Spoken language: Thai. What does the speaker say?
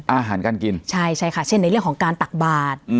อาหารการกินใช่ใช่ค่ะเช่นในเรื่องของการตักบาท